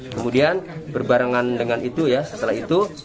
kemudian berbarengan dengan itu ya setelah itu